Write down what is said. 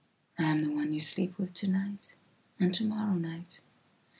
I am the one you sleep with tonight and tomorrow night.